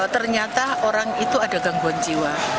ternyata orang itu ada gangguan jiwa